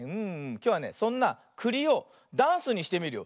きょうはねそんなくりをダンスにしてみるよ。